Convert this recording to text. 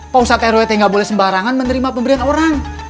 pak ustadz rw tidak boleh sembarangan menerima pemberian orang